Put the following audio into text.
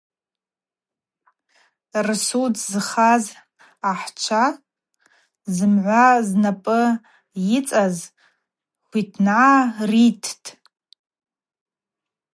Рсуд зхаз ахӏчва зымгӏва знапӏы йыцӏаз хвитныгӏа риттӏ.